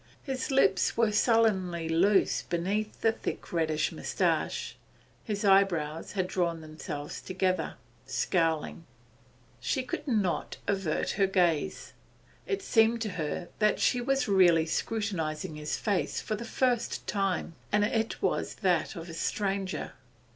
His lips were sullenly loose beneath the thick reddish moustache his eyebrows had drawn themselves together, scowling. She could not avert her gaze; it seemed to her that she was really scrutinising his face for the first time, and it was as that of a stranger.